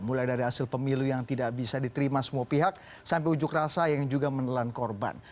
mulai dari hasil pemilu yang tidak bisa diterima semua pihak sampai ujuk rasa yang juga menelan korban